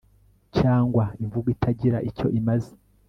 cyangwa imvugo itagira icyo imaze